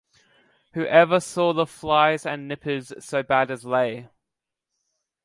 Who ever saw the flies and nippers so bad as they?